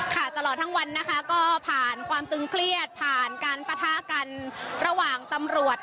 ตลอดทั้งวันนะคะก็ผ่านความตึงเครียดผ่านการปะทะกันระหว่างตำรวจ